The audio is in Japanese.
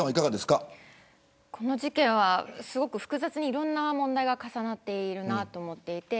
この事件は、すごく複雑にいろんな問題が重なっていると思います。